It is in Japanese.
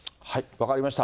分かりました。